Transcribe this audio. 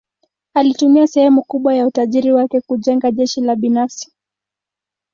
Alitumia sehemu kubwa ya utajiri wake kujenga jeshi la binafsi.